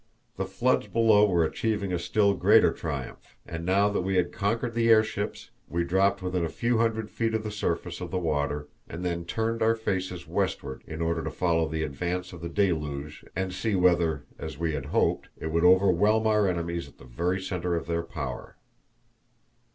The floods below were achieving a still greater triumph, and now that we had conquered the airships we dropped within a few hundred feet of the surface of the water and then turned our faces westward in order to follow the advance of the deluge and see whether, as we had hoped, it would overwhelm our enemies in the very centre of their power.